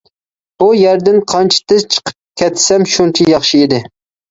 بۇ يەردىن قانچە تېز چىقىپ كەتسەم شۇنچە ياخشى ئىدى.